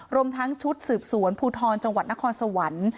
รวมทั้งชุดสืบสวนภูทรจังหวัดนครสวรรค์